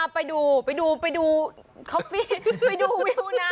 ไปดูไปดูคอฟฟี่ไปดูวิวนะ